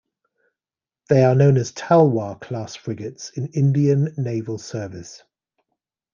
They are known as "Talwar"-class frigates in Indian naval service.